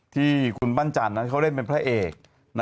ที่คุณปั้นจันทร์เขาเล่นเป็นพระเอก